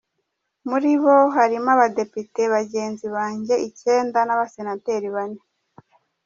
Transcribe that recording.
Muri bo harimo abadepite bagenzi banjye icyenda n’abasenateri bane.